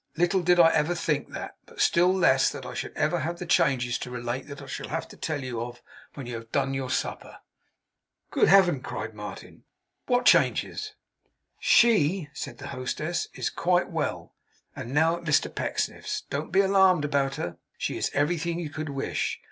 'Little did I ever think that! But still less, that I should ever have the changes to relate that I shall have to tell you of, when you have done your supper!' 'Good Heaven!' cried Martin, changing colour, 'what changes?' 'SHE,' said the hostess, 'is quite well, and now at Mr Pecksniff's. Don't be at all alarmed about her. She is everything you could wish.